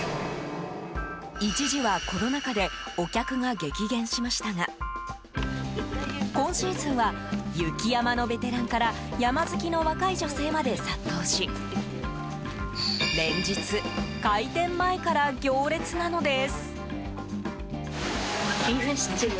一時はコロナ禍でお客が激減しましたが今シーズンは雪山のベテランから山好きの若い女性まで殺到し連日、開店前から行列なのです。